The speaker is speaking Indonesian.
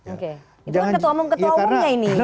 oke itu kan ketua umum ketua umumnya ini